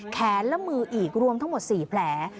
และมืออีกรวมทั้งหมด๔แผล